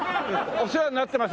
お世話になってます。